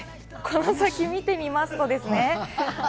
この先、見てみますとね。